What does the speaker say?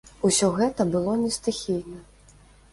Усе гэта было не стыхійна.